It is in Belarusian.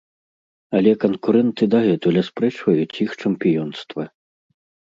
Але канкурэнты дагэтуль аспрэчваюць іх чэмпіёнства.